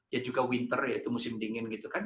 ya juga musim dingin